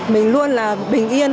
mình luôn bình yên